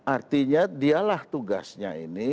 artinya dialah tugasnya ini